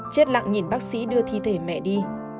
chết lặng nhìn bác sĩ đưa thi thể mẹ đi